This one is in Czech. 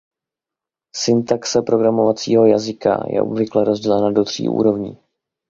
Syntaxe programovacího jazyka je obvykle rozdělena do tří úrovní.